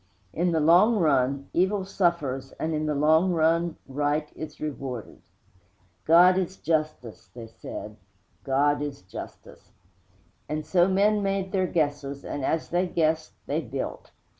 In the long run, evil suffers, and, in the long run, right is rewarded. 'God is Justice,' they said, 'God is Justice!' And so men made their guesses, and, as they guessed, they built.